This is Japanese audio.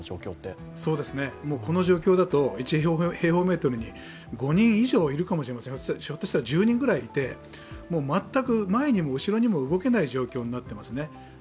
そうですね、この状況だと、１平方メートルに５人以上いるかもしれません、ひっとしたら１０人くらいいて、全く、前にも後ろにも動けない状況になっています。